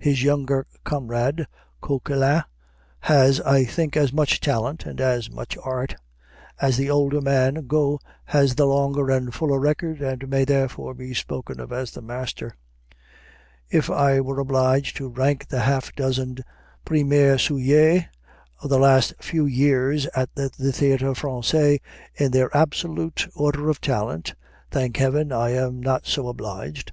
His younger comrade, Coquelin, has, I think, as much talent and as much art; as the older man Got has the longer and fuller record and may therefore be spoken of as the master. If I were obliged to rank the half dozen premiers sujets of the last few years at the Théâtre Français in their absolute order of talent (thank Heaven, I am not so obliged!)